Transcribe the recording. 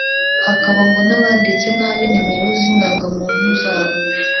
hakaba ngo n’abanditse nabi nimero z’indangamuntu zabo